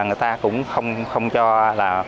người ta cũng không cho là